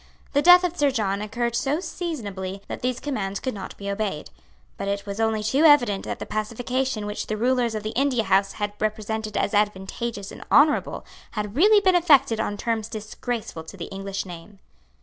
The death of Sir John occurred so seasonably that these commands could not be obeyed. But it was only too evident that the pacification which the rulers of the India House had represented as advantageous and honourable had really been effected on terms disgraceful to the English name.